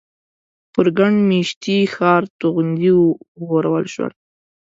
پر ګڼ مېشتي ښار توغندي وورول شول.